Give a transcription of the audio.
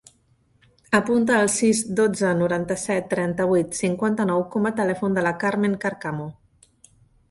Apunta el sis, dotze, noranta-set, trenta-vuit, cinquanta-nou com a telèfon de la Carmen Carcamo.